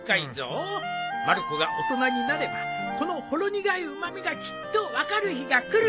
まる子が大人になればこのほろ苦いうま味がきっと分かる日がくる。